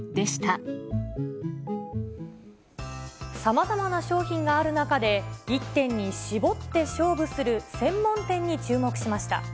さまざまな商品がある中で、１点に絞って勝負する専門店に注目しました。